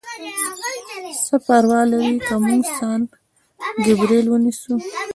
څه پروا لري که موږ سان ګبریل ونیسو؟